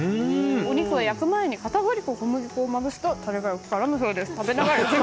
お肉は焼く前に片栗粉、小麦粉をまぶすとタレがよく絡むそうです。